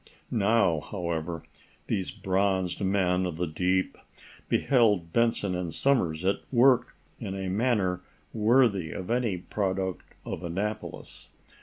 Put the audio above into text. Now, however, these bronzed men of the deep beheld Benson and Somers at work in a manner worthy of any product of Annapolis.